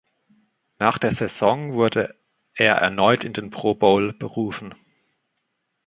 Nach der Saison wurde er erneut in den Pro Bowl berufen.